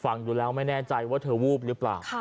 ฟังอยู่แล้วไม่แน่ใจว่าเธอวูบหรือเปล่า